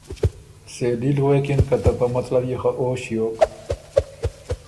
سېلی ل غوېکِن که ته پۀ مطلب يې خه او ݭیوک۔